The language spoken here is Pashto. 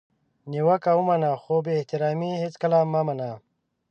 نیوکه ومنه خو بي احترامي هیڅکله مه منه!